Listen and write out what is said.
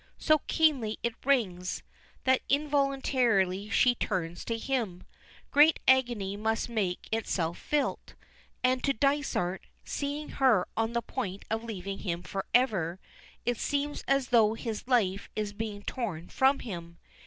So keenly it rings, that involuntarily she turns to him. Great agony must make itself felt, and to Dysart, seeing her on the point of leaving him forever, it seems as though his life is being torn from him.